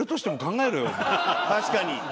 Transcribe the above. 確かに！